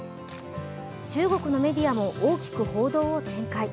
中国のメディアも大きく報道を展開。